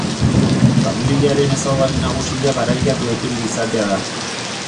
Familiaren ezaugarri nagusia barailak loturik izatea da.